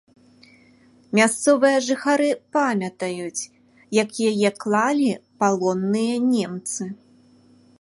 Мясцовыя жыхары памятаюць, як яе клалі палонныя немцы.